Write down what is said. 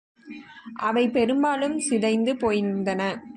அவை பெரும்பாலும் சிதைந்து போயிருந்தன.